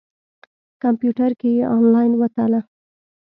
کمپیوټر کې یې انلاین وتله.